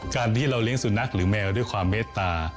การที่เราเลี้ยสุนัขหรือแมวด้วยความเมตตา